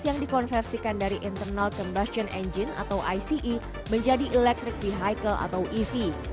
yang dikonversikan dari internal combustion engine atau ice menjadi electric vehicle atau ev